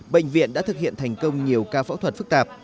bệnh viện đã thực hiện thành công nhiều ca phẫu thuật phức tạp